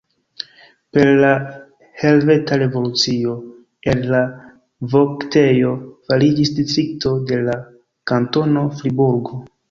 Per la Helveta Revolucio el la voktejo fariĝis distrikto de la kantono Friburgo.